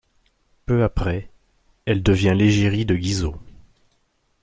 Peu après, elle devient l'égérie de Guizot.